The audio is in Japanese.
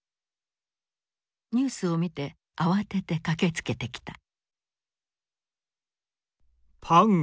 ニュースを見て慌てて駆けつけてきた。